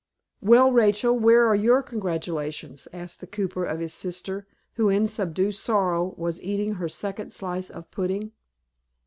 "Well, Rachel, where are your congratulations?" asked the cooper of his sister, who, in subdued sorrow, was eating her second slice of pudding.